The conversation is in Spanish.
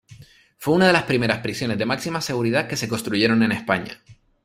Fue una de las primeras prisiones de máxima seguridad que se construyeron en España.